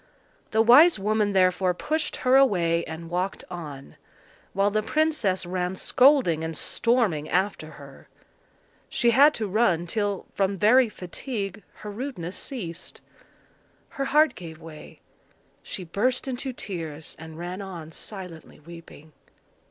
The wise woman therefore pushed her away, and walked on; while the princess ran scolding and storming after her. She had to run till, from very fatigue, her rudeness ceased. Her heart gave way; she burst into tears, and ran on silently weeping.